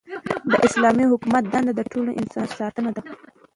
د اسلامي حکومت دنده د ټولو انسانانو ساتنه ده.